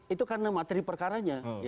itu karena materi perkaranya